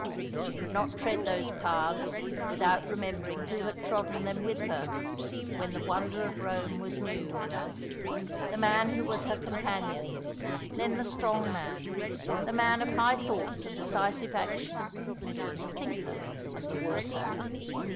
She could not tread those paths without remembering who had trodden them with her when the wonder of Rome was new. The man who was her companion, then the strong man, the man of high thoughts and decisive action, the thinker and the worker.